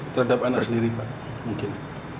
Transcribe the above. terhadap anak sendiri pak mungkin